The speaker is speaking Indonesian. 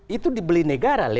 itu dibeli negara